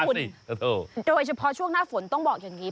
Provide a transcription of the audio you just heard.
คุณโดยเฉพาะช่วงหน้าฝนต้องบอกอย่างนี้